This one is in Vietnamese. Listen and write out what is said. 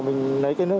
mình lấy cây nước